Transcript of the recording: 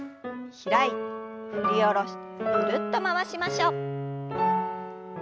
開いて振り下ろしてぐるっと回しましょう。